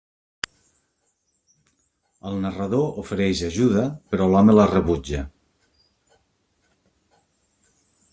El narrador ofereix ajuda però l'home la rebutja.